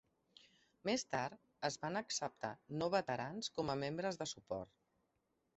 Més tard, es van acceptar no veterans com a membres de suport.